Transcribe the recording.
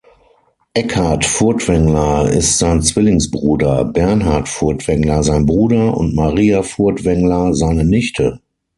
Eckard Furtwängler ist sein Zwillingsbruder, Bernhard Furtwängler sein Bruder und Maria Furtwängler seine Nichte.